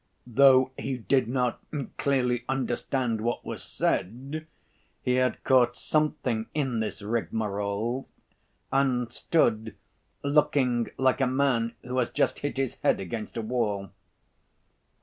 Though he did not clearly understand what was said, he had caught something in this rigmarole, and stood, looking like a man who has just hit his head against a wall.